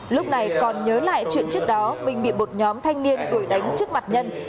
lúc này còn nhớ lại chuyện trước đó mình bị một nhóm thanh niên gửi đánh trước mặt nhân